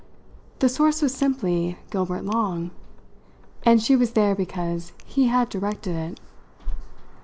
The source was simply Gilbert Long, and she was there because he had directed it.